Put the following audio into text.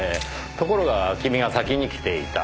ところが君が先に来ていた。